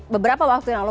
beberapa waktu yang lalu